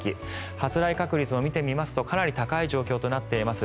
発雷確率を見てみますとかなり高い状況となっています。